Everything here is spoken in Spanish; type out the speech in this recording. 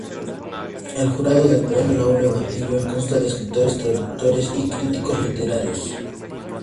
El jurado del Premio Laure Bataillon consta de escritores, traductores y críticos literarios.